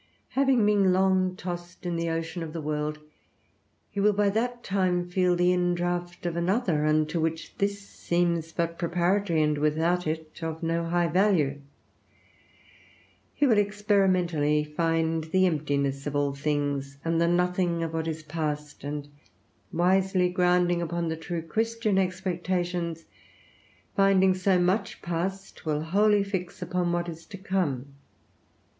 Having been long tossed in the ocean of the world, he will by that time feel the in draught of another, unto which this seems but preparatory and without it of no high value. He will experimentally find the emptiness of all things, and the nothing of what is past; and wisely grounding upon true Christian expectations, finding so much past, will wholly fix upon what is to come.